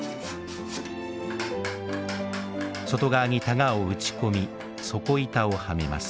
外側に箍を打ち込み底板をはめます。